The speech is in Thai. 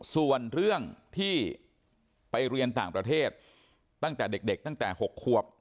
ส่วนเรื่องที่ไปเรียนต่างประเทศตั้งแต่เด็กตั้งแต่๖ควบ